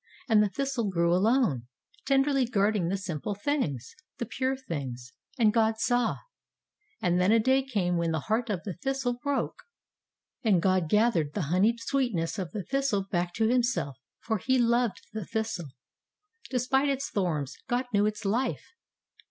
And the thistle grew alone, ten derly guarding the simple things, the pure things. And God saw. And then a day came when the heart of the thistle broke. And God gathered the honeyed sweetness of the thistle back to Himself, for He loved the thistle. De spite its thorns, God knew its life.